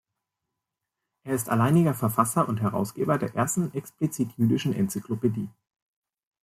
Er ist alleiniger Verfasser und Herausgeber der ersten explizit jüdischen Enzyklopädie.